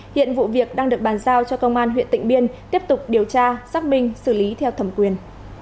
hiện vụ việc đang được bàn giao cho công an huyện tịnh biên tiếp tục điều tra xác minh xử lý theo thẩm quyền